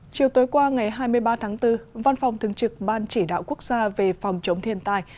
chiều tối qua ngày hai mươi ba tháng bốn văn phòng thường trực ban chỉ đạo quốc gia về phòng chống thiên tai